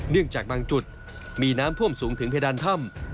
จากบางจุดมีน้ำท่วมสูงถึงเพดานถ้ำ